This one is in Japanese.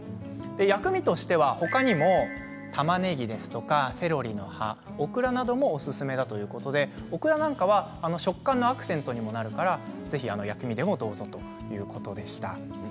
薬味としては他にもたまねぎ、セロリの葉オクラなどもおすすめだということでオクラは食感のアクセントにもなるので薬味でもどうぞということでした。